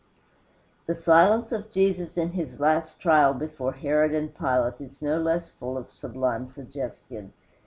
The silence of Jesus in his last trial before Herod and Pilate is no less full of sublime suggestion.